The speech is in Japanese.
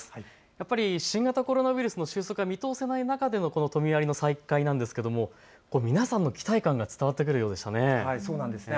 やっぱり新型コロナウイルスの収束が見通せない中でのこの都民割の再開なんですけれども皆さんの期待感が伝わってくるようでしたね。